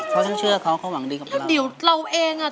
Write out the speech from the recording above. เขาทั้งเชื่อเขาเขาหวังดีกับเราเดี๋ยวเราเองอ่ะ